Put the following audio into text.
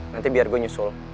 nanti biar gue nyusul